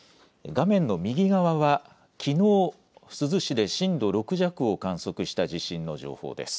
画面の右側は、きのう、珠洲市で震度６弱を観測した地震の情報です。